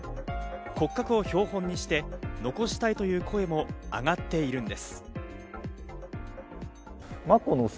骨格を標本にして残したいという声も上がっているんです。